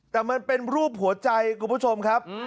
แต่มันเป็นรูปหัวใจคุณผู้ชมครับ